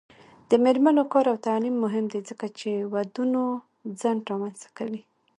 د میرمنو کار او تعلیم مهم دی ځکه چې ودونو ځنډ رامنځته کوي.